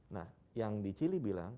nah yang di chile bilang